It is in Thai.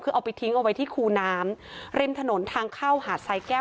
คือเอาไปทิ้งเอาไว้ที่คูน้ำริมถนนทางเข้าหาดไซแก้ว